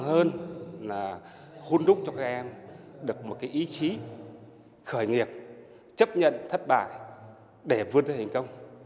hơn là hôn đúc cho các em được một cái ý chí khởi nghiệp chấp nhận thất bại để vươn tới thành công